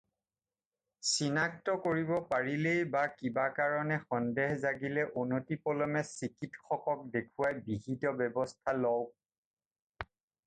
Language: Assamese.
চিনাক্ত কৰিব পাৰিলেই বা কিবা কাৰণে সন্দেহ জাগিলে অনতিপলমে চিকিৎসকক দেখুৱাই বিহিত ব্যৱস্থা লওঁক।